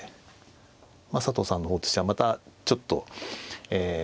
佐藤さんの方としてはまたちょっと。